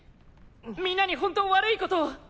みんなにほんと悪いことを。